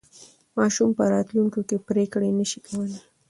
ماشوم په راتلونکي کې پرېکړې نه شي کولای.